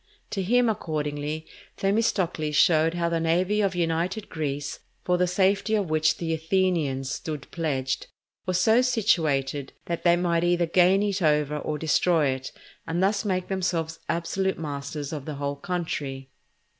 To him, accordingly, Themistocles showed how the navy of united Greece, for the safety of which the Athenians stood pledged, was so situated that they might either gain it over or destroy it, and thus make themselves absolute masters of the whole country.